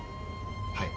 はい。